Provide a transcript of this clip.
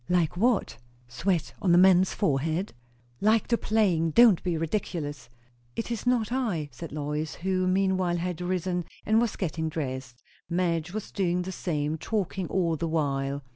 "Like what? sweat on a man's forehead?" "Like the playing. Don't be ridiculous." "It is not I," said Lois, who meanwhile had risenn and was getting dressed. Madge was doing the same, talking all the while.